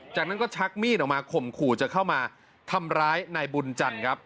จากนั้นก็ชักมีดออกมาข่มขู่จะเข้ามาทำร้ายนายบุญจันทร์ครับ